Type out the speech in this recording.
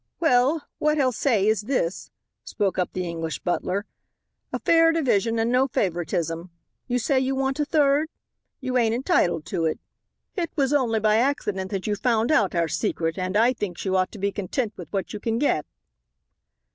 "Well, what h'I says is this," spoke up the English butler, "a fair diwision and no favoritism. You say you want a third? You ain't h'entitled to h'it. H'it was h'only by h'accident that you found h'out h'our secret h'and h'I thinks you ought to be content with what you can get."